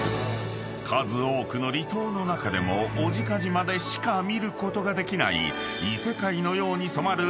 ［数多くの離島の中でも小値賀島でしか見ることができない］